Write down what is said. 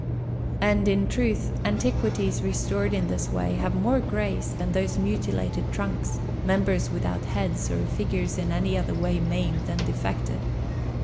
And, in truth, antiquities restored in this way have more grace than those mutilated trunks, members without heads, or figures in any other way maimed and defective.